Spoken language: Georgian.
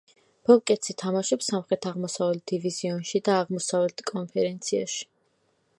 ბობკეტსი თამაშობს სამხრეთ-აღმოსავლეთ დივიზიონში და აღმოსავლეთ კონფერენციაში.